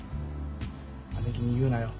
姉貴に言うなよ。